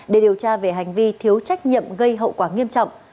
để điều tra về hành vi thiếu trách nhiệm gây hậu quả nghiêm trọng